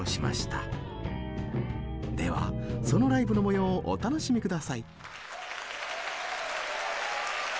ではそのライブの模様をお楽しみください。